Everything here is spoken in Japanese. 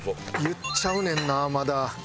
言っちゃうねんなまだ。